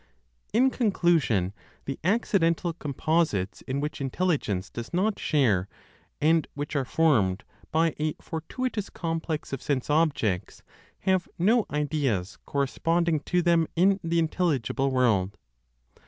In conclusion, the accidental composites in which Intelligence does not share and which are formed by a fortuitous complex of sense objects, have no ideas corresponding to them in the intelligible world.